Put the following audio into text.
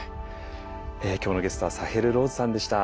今日のゲストはサヘル・ローズさんでした。